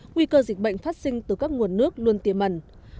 nguy cơ dịch bệnh phát sinh từ các nguồn nước luôn tiềm mẩn